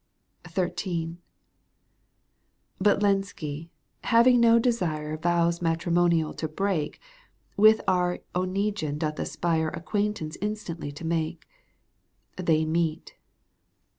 ^^ XIII. But Lenski, having no desire Vows matrimonial to break, With our Oneguine doth aspire Acquaintance instantly to make. They met.